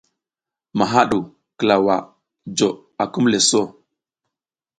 Maha ɗu klawa jo akumle so.